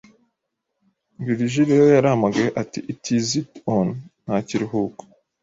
Virgil rero yarahamagaye ati Itzt on nta kiruhuko